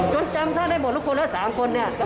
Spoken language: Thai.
จนจำท่านได้หมดทุกคนแล้ว๓คนเนี่ย